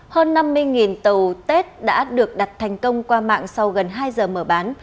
hơn năm mươi tàu tết đã được đặt thành công qua mạng sau gần hai giờ mở bán